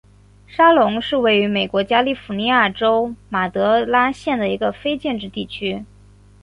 沙龙是位于美国加利福尼亚州马德拉县的一个非建制地区。